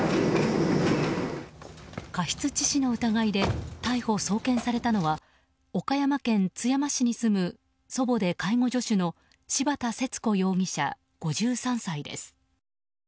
過失致死の疑いで逮捕・送検されたのは岡山県津山市に住む祖母で介護助手の柴田節子容疑者、５３歳です。